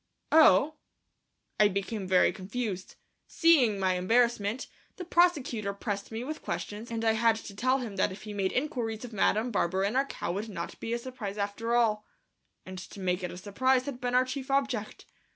"Oh!..." I became very confused. Seeing my embarrassment, the prosecutor pressed me with questions, and I had to tell him that if he made inquiries of Madame Barberin our cow would not be a surprise after all, and to make it a surprise had been our chief object.